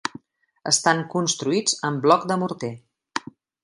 Estan construïts amb bloc de morter.